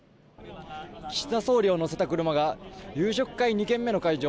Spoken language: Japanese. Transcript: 岸田総理を乗せた車が夕食会２軒目の会場